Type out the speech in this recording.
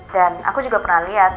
dan aku juga pernah lihat